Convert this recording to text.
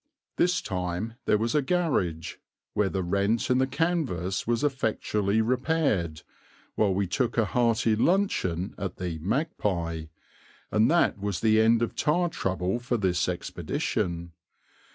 This time there was a garage, where the rent in the canvas was effectually repaired, while we took a hearty luncheon at the "Magpie"; and that was the end of tire trouble for this expedition.